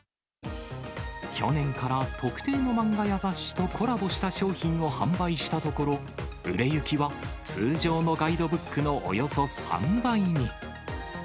去年から特定の漫画や雑誌とコラボした商品を販売したところ、売れ行きは通常のガイドブックのおよそ３倍に。